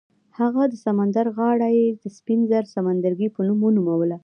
هغه د سمندر غاړه یې د سپین زر سمندرګي په نوم ونوموله.